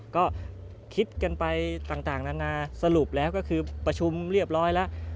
ก็คิดกันไปต่างนานาสรุปแล้วก็คือประชุมเรียบร้อยแล้ว